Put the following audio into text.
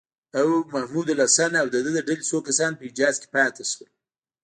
او محمودالحسن او د ده د ډلې څو کسان په حجاز کې پاتې شول.